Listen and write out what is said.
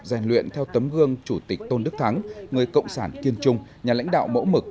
rèn luyện theo tấm gương chủ tịch tôn đức thắng người cộng sản kiên trung nhà lãnh đạo mẫu mực